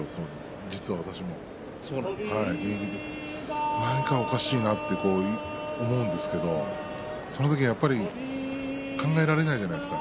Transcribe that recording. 実は私も、何かおかしいなと思うんですけれどその時はやっぱり考えられないじゃないですか。